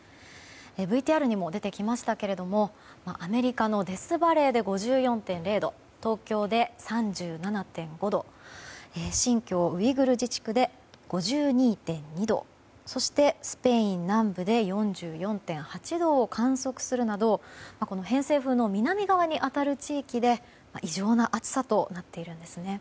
ＶＴＲにも出てきましたがアメリカのデスバレーで５４．０度東京で３７．５度新疆ウイグル自治区で５２．２度そして、スペイン南部で４４．８度を観測するなど偏西風の南側に当たる地域で異常な暑さとなっているんですね。